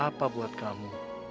apa buat kamu